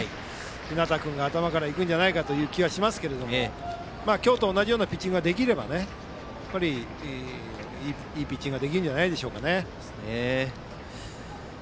日當君が頭から行くんじゃないかという気がしますけども今日と同じようなピッチングができればいいピッチングができるんじゃないでしょうか。